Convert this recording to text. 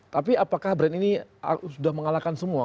tapi apakah brand ini sudah mengalahkan semua